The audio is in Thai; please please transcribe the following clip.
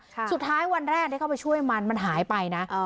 สุดท้ายวันแรกที่เข้าไปช่วยมันมันหายไปนะเออ